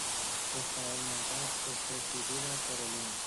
Esta hermandad es presidida por el Ilmo.